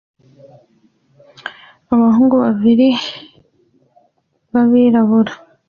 Abahungu babiri b'abirabura